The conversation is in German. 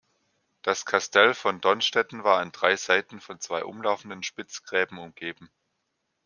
Das Kastell von Donnstetten war an drei Seiten von zwei umlaufenden Spitzgräben umgeben.